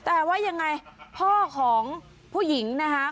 แต่ว่ายังไงพ่อของผู้หญิงนะคะ